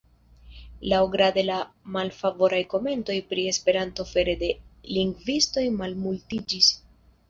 Laŭgrade la malfavoraj komentoj pri Esperanto fare de lingvistoj malmultiĝis.